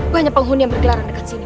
banyak penghuni yang bergelaran dekat sini